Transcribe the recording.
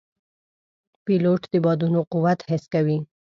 پیلوټ د بادونو قوت حس کوي.